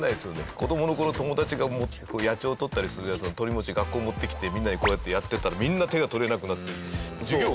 子どもの頃友達が野鳥を捕ったりするやつのとりもち学校持ってきてみんなでこうやってやってたらみんな手が取れなくなって。